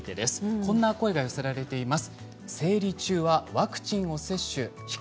こんな声が寄せられています。